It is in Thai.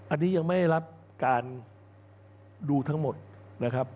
อันนี้ยังไม่ได้รับการดูทั้งหมดนะครับ